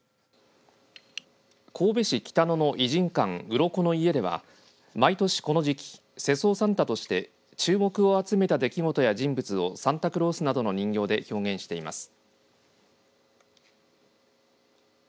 神戸市北野の異人館うろこの家では毎年この時期、世相サンタとして注目を集めた出来事や人物をサンタクロースなどの人形で表現しています。